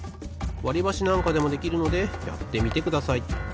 わりばしなんかでもできるのでやってみてください。